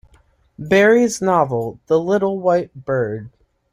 Barrie's novel "The Little White Bird".